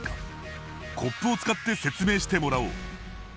コップを使って説明してもらおう。